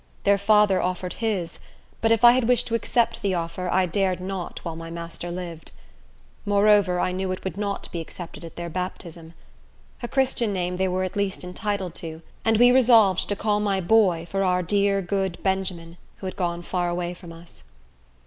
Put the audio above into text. Their father offered his; but, if I had wished to accept the offer, I dared not while my master lived. Moreover, I knew it would not be accepted at their baptism. A Christian name they were at least entitled to; and we resolved to call my boy for our dear good Benjamin, who had gone far away from us.